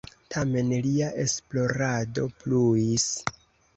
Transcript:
Tamen lia esplorado pluis.